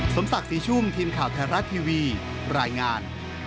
สมศักดิ์ศรีชุ่มทีมข่าวไทยรัฐทีวีรายงาน